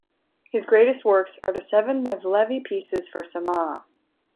His greatest works are the seven Mevlevi pieces for Samah.